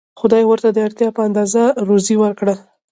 خدای ورته د اړتیا په اندازه روزي ورکړه.